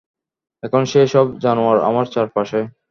এখন সেই সব জানোয়ার আমার চারপাশে।